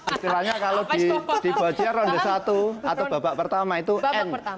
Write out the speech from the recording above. istilahnya kalau di bojer ronde satu atau babak pertama itu n